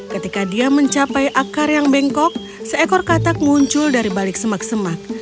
ketika dia mencapai akar yang bengkok seekor katak muncul dari balik semak semak